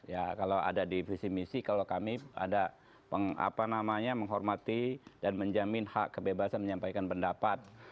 ya kalau ada di visi misi kalau kami ada menghormati dan menjamin hak kebebasan menyampaikan pendapat